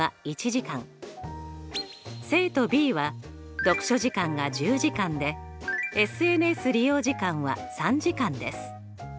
生徒ｂは読書時間が１０時間でＳＮＳ利用時間は３時間です。